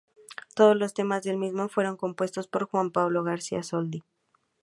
Todos los temas del mismo fueron compuestos por Juan Pablo García Soldi.